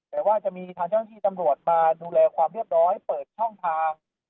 แต่ว่าจะมีทางเจ้าหน้าที่ตำรวจมาดูแลความเรียบร้อยเปิดช่องทาง